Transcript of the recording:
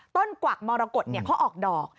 กวักมรกฏเขาออกดอก